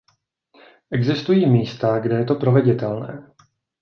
Existují místa, kde je to proveditelné.